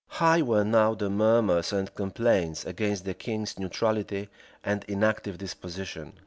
High were now the murmurs and complaints against the king's neutrality and inactive disposition.